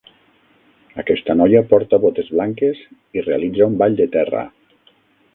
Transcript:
Aquesta noia porta botes blanques i realitza un ball de terra